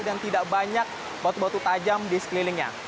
dan tidak banyak batu batu tajam di sekelilingnya